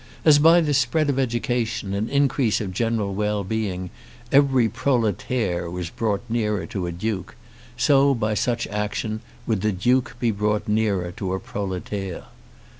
As by the spread of education and increase of general well being every proletaire was brought nearer to a Duke, so by such action would the Duke be brought nearer to a proletaire.